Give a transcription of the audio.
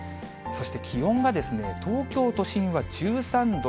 そして気温が、東京都心は１３度